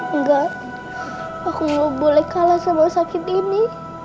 enggak aku boleh kalah sama sakit ini